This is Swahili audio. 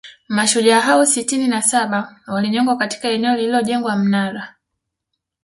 Mashujaa hao sitini na saba walinyongwa katika eneo lililojengwa Mnara